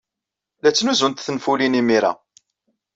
La ttnuzunt tenfulin imir-a.